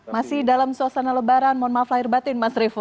masih dalam suasana lebaran mohon maaf lahir batin mas revo